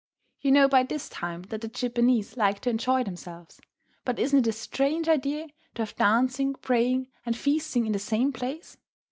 You know by this time that the Japanese like to enjoy themselves. But isn't it a strange idea to have dancing, praying, and feasting in the same place?